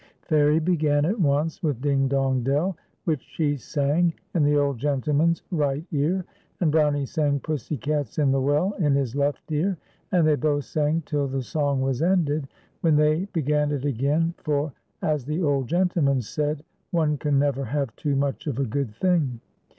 Fairie began at once with " Ding, dong, dell," which she sang in the old gentleman's right ear, and Brownie sang " Pussy cat's in the well " in his left ear, and they both sang till the song was ended, when they began it again, for i68 FAIRIE AND BROWN IE. as the old gentleman said : One can never have too much of a good thing.